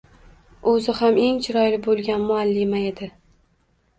Oʻzi ham eng chiroyli boʻlgan muallima edi...